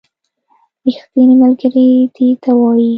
ریښتینې ملگرتیا دې ته وايي